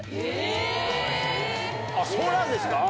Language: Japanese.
そうなんですか？